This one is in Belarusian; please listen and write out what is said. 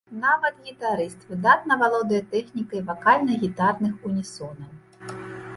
Нават гітарыст выдатна валодае тэхнікай вакальна-гітарных унісонаў.